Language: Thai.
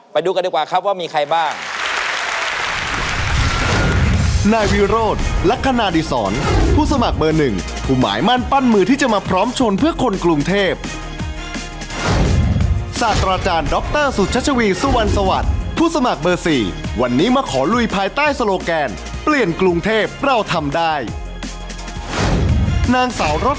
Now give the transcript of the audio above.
ไปดูกันดีกว่าครับว่ามีใครบ้าง